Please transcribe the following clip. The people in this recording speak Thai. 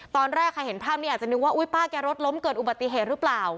ตอนแรกใครเห็นภาพนี้อาจจะนึกว่าอุ๊ยป้าแกรถล้มเกิดอุบัติเหตุหรือเปล่า